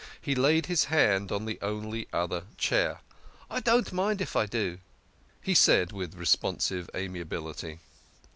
He laid his hand on the only other chair. " I don't mind if I do," he said, with responsive amia bility.